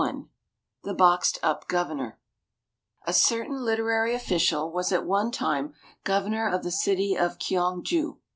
XXI THE BOXED UP GOVERNOR A certain literary official was at one time Governor of the city of Kyong ju.